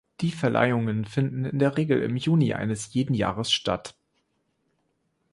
Die Verleihungen finden in der Regel im Juni eines jeden Jahres statt.